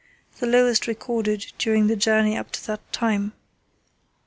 the lowest recorded during the journey up to that time.